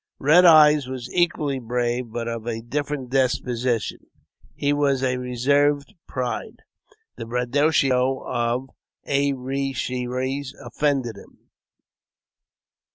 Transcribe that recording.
Red Eyes was equally brave, but of a different disposition. His was a reserved pride ; the braggadocio of A re she res offended him.